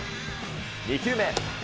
２球目。